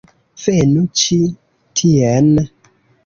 Venu ĉi tien.